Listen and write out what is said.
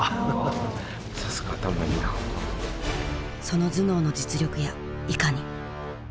その頭脳の実力やいかに？